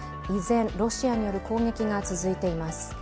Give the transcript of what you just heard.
依然、ロシアによる攻撃が続いています。